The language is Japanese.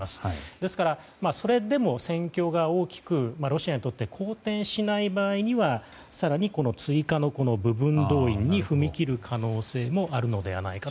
ですから、それでも戦況が大きくロシアにとって好転しない場合には更にこの追加の部分動員に踏み切る可能性もあるのではないかと。